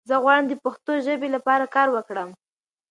زۀ غواړم د پښتو ژبې لپاره کار وکړم!